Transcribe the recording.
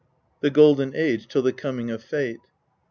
(The Golden Age till the coming of Fate.)